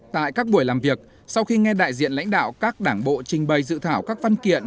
tại các buổi làm việc sau khi nghe đại diện lãnh đạo các đảng bộ trình bày dự thảo các văn kiện